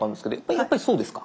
やっぱりそうですか？